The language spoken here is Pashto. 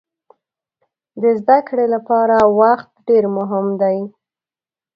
د زده کړې لپاره وخت ډېر مهم دی.